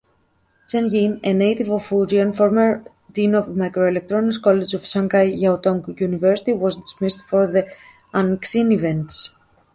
Chen Jin, a native of Fujian, former dean of Microelectronics College of Shanghai Jiaotong University, was dismissed for the Hanxin events.